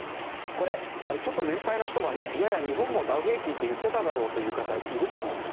これ、ちょっと年配の人はいやいや日本もダウ平均とダウ平均って言ってただろっていう方もいると思うんです。